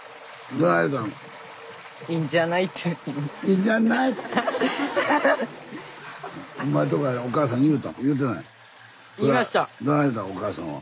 どない言うたのお母さんは。